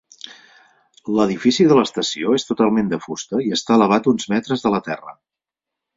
L'edifici de l'estació és totalment de fusta i està elevat uns metres de la terra.